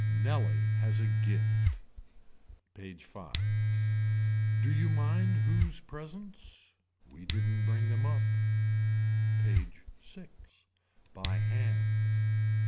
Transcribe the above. Nellie has a gift. PAGE V. Do you mind whose presents. We didn't bring them up. PAGE VI. By hand.